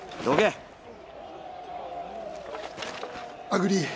アグリー。